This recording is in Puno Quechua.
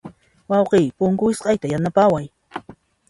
Wayqiy, punku wisq'ayta yanapaway.